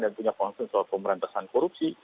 dan punya fonsen soal pemberantasan korupsi